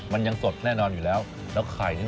มันยังสดแน่นอนอยู่แล้วแล้วไข่นี่